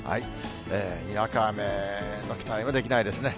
にわか雨の期待はできないですね。